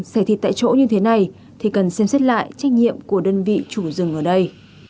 xảy thịt tại chỗ như thế này thì cần xem xét lại trách nhiệm của đơn vị chủ rừng ở đây